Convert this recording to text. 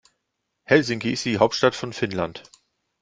Helsinki ist die Hauptstadt von Finnland.